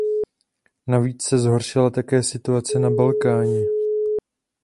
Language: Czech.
Navíc se zhoršila také situace na Balkáně.